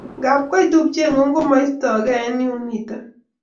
Ngabkoit tupchengung komoistokri eng Yun mito